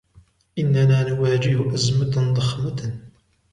إننا نواجه أزمة ضخمة.